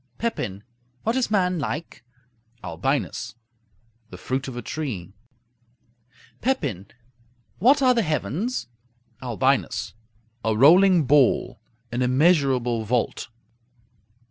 Pepin What is man like? Albinus The fruit of a tree. Pepin What are the heavens? Albinus A rolling ball; an immeasurable vault.